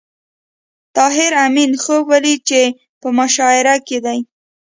طاهر آمین خوب ولید چې په مشاعره کې دی